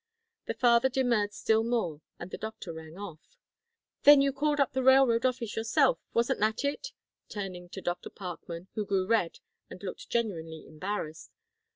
The father demurred still more and the doctor rang off. Then you called up the railroad office, yourself wasn't that it?" turning to Dr. Parkman, who grew red and looked genuinely embarrassed.